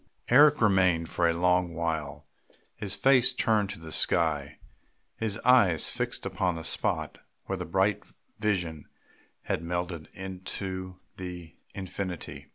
Eric remained for a long while, his face turned to the sky, his eyes fixed upon the spot where the bright vision had melted into the infinite.